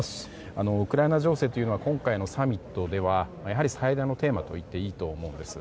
ウクライナ情勢というのは今回のサミットではやはり最大のテーマと言っていいと思うんです。